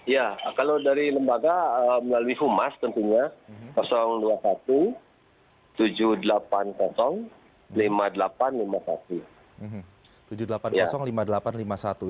ya kalau dari lembaga melalui humas tentunya dua puluh satu tujuh ratus delapan puluh lima ribu delapan ratus lima puluh satu